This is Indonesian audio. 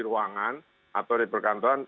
ruangan atau di perkantoran